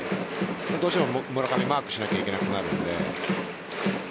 どうしても村上をマークしないといけなくなるので。